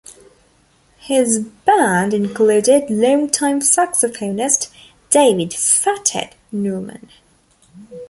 His band included longtime saxophonist David "Fathead" Newman.